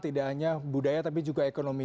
tidak hanya budaya tapi juga ekonomi